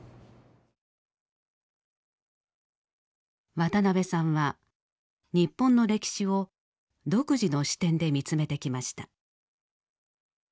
渡辺さんは日本の歴史を独自の視点で見つめてきました。